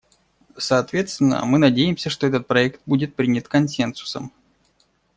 Соответственно мы надеемся, что этот проект будет принят консенсусом.